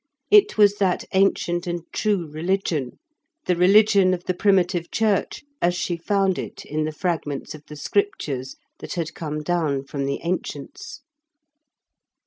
It was that ancient and true religion; the religion of the primitive church, as she found it in the fragments of the Scriptures that had come down from the ancients.